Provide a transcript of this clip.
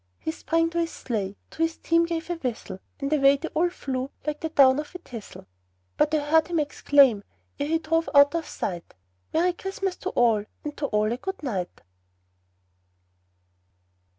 He sprang to his sleigh, to his team gave a whistle, And away they all flew like the down of a thistle; But I heard him exclaim, ere he drove out of sight, "Merry Christmas to all, and to all a good night!"